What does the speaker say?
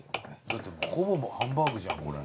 だってほぼハンバーグじゃんこれ。